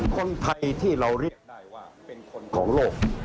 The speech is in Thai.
คนไทยที่เราเรียกได้ว่าเป็นคนของโลก